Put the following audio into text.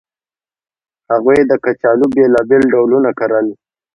هغوی د کچالو بېلابېل ډولونه کرل